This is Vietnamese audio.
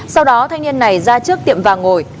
sau đó thanh niên này ra trước tiệm vàng ngồi